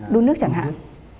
đun nước chẳng hạn